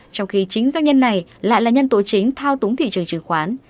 trong khi chính doanh nhân này lại là nhân tố chính thao túng thị trường chứng khoán